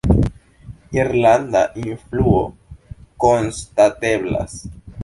Irlanda influo konstateblas.